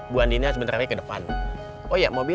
bu andin sebenarnya ke depan oh iya mobil